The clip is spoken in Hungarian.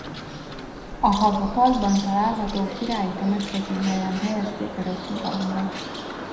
A Haga Parkban található királyi temetkezőhelyen helyezték örök nyugalomra.